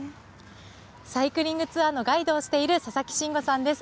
サイクリングツアーのガイドをしている佐々木慎吾さんです。